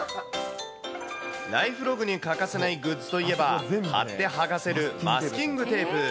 ライフログに欠かせないグッズといえば、貼って剥がせるマスキングテープ。